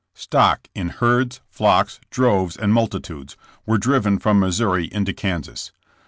"Stock in herds, flocks, droves and multitudes, were driven from Missouri into Kansas.